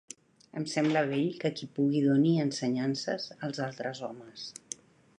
Em sembla bell que qui pugui doni ensenyances als altres homes.